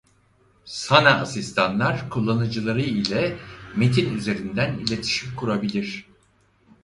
Sana asistanlar kullanıcıları ile "metin" üzerinden iletişim kurabilir.